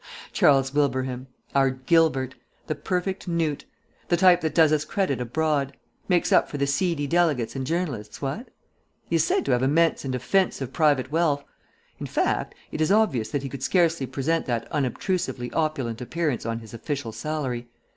"Charles Wilbraham. Our Gilbert. The perfect knut. The type that does us credit abroad. Makes up for the seedy delegates and journalists, what?... He is said to have immense and offensive private wealth. In fact, it is obvious that he could scarcely present that unobtrusively opulent appearance on his official salary.